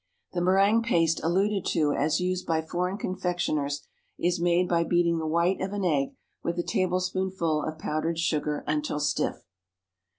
The méringue paste alluded to as used by foreign confectioners is made by beating the white of an egg with a tablespoonful of powdered sugar until stiff.